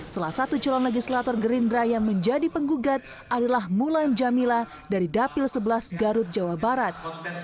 salah satu calon legislator gerindra yang menjadi penggugat adalah mulan jamila dari dapil sebelas garut jawa barat